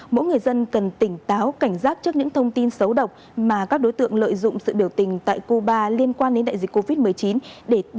mỗi người dân cần tỉnh táo cảnh giác trước những thông tin xấu độc mà các đối tượng lợi dụng sự biểu tình tại cuba liên quan đến đại dịch covid một mươi chín